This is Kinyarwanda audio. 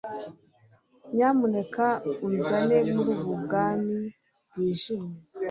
Nyamuneka unzane muri ubu bwami bwijimye